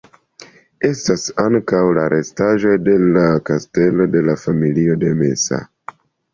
Estas ankaŭ la restaĵoj de la kastelo de la familio Mesa.